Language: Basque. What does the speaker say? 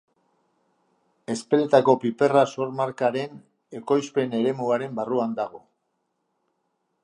Ezpeletako piperra sor-markaren ekoizpen eremuaren barruan dago.